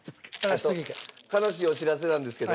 悲しいお知らせなんですけど。